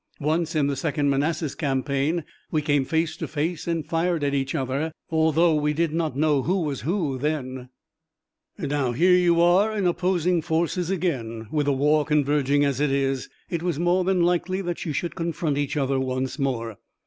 Once in the second Manassas campaign we came face to face and fired at each other, although we did not know who was who then." "And now here you are in opposing forces again. With the war converging as it is, it was more than likely that you should confront each other once more."